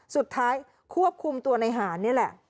สุดท้ายควบคุมตัวในหารนี่แหละ